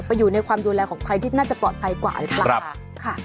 อยู่ในความดูแลของใครที่น่าจะปลอดภัยกว่าหรือเปล่าค่ะ